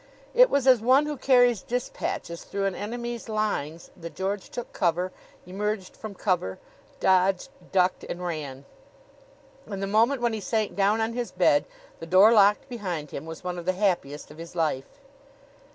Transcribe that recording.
It was as one who carries dispatches through an enemy's lines that George took cover, emerged from cover, dodged, ducked and ran; and the moment when he sank down on his bed, the door locked behind him, was one of the happiest of his life.